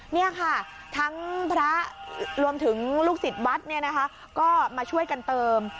นี่ค่ะทั้งพระรวมถึงลูกศิษย์วัดเนี่ยนะคะก็มาช่วยกันเติม